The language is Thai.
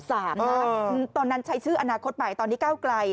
ตอนนั้นใช้ชื่ออนาคตใหม่ตอนนี้ก้าวไกล